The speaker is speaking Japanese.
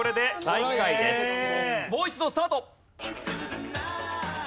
もう一度スタート！